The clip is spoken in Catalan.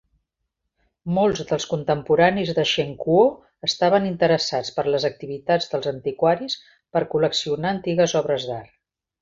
Molts dels contemporanis de Shen Kuo estaven interessats per les activitats dels antiquaris per col·leccionar antigues obres d'art.